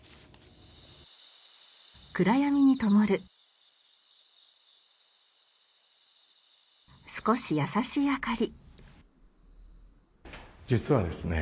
暗闇にともる少し優しい明かり。